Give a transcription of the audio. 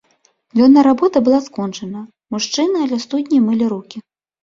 Дзённая работа была скончана, мужчыны ля студні мылі рукі.